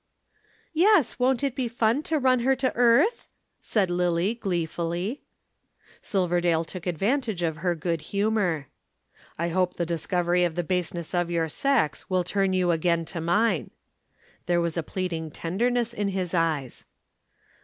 "Yes, won't it be fun to run her to earth?" said Lillie gleefully. Silverdale took advantage of her good humor. "I hope the discovery of the baseness of your sex will turn you again to mine." There was a pleading tenderness in his eyes.